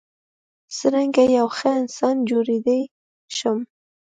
څرنګه یو ښه انسان جوړیدای شم.